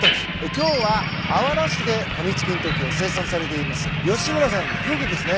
今日はあわら市でとみつ金時を生産されています吉村さん夫婦ですね。